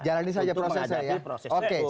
jalanin saja prosesnya ya